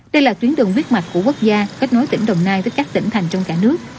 đây là tuyến đường huyết mạch của quốc gia kết nối tỉnh đồng nai với các tỉnh thành trong cả nước